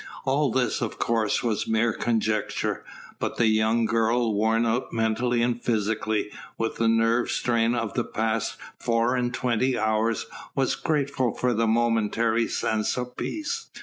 All this of course was mere conjecture, but the young girl, worn out mentally and physically with the nerve strain of the past four and twenty hours was grateful for the momentary sense of peace.